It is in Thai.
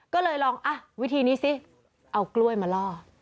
ก็เลยลองวิธีนี้สิเอากล้วยมาล่อ